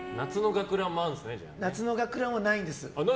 夏の学ランはないんです。